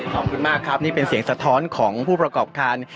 ขอบคุณมากครับนี่เป็นเสียงสะท้อนของผู้ประกอบการ